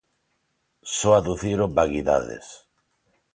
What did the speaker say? Só aduciron vaguidades.